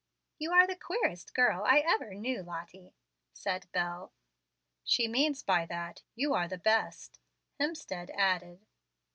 "You are the queerest girl I ever knew, Lottie," said Bel. "She means by that, you are the best," Hemstead added.